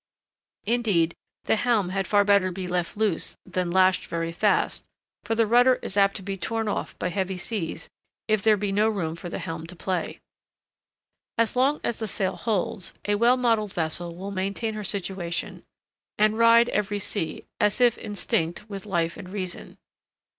Indeed, the helm had far better be left loose than lashed very fast, for the rudder is apt to be torn off by heavy seas if there be no room for the helm to play. As long as the sail holds, a well modelled vessel will maintain her situation, and ride every sea, as if instinct with life and reason.